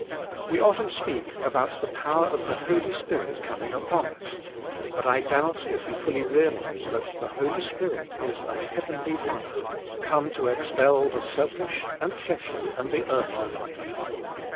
We often speak about the power of the Holy Spirit coming upon us, but I doubt if we fully realize that the Holy Spirit is a heavenly life come to expel the selfish, andf]eshh% and the earthly life.